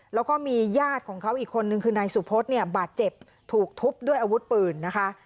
แล้วก็มีญาติของเขาอีกคนนึงคือนายสุพธเนี่ยบาดเจ็บถูกทุบด้วยอาวุธปืนนะคะ